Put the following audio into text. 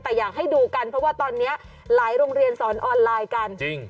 แต่อยากให้ดูกันเพราะว่าตอนนี้หลายโรงเรียนสอนออนไลน์กันจริง